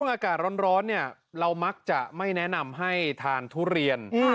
อากาศร้อนเนี่ยเรามักจะไม่แนะนำให้ทานทุเรียน